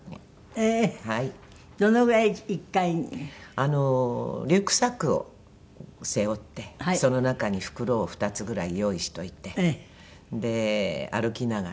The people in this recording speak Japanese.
あのリュックサックを背負ってその中に袋を２つぐらい用意しておいてで歩きながらお買い物をして。